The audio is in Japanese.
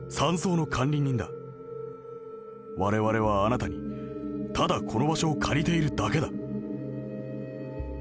「『我々はあなたにただこの場所を借りているだけだ』。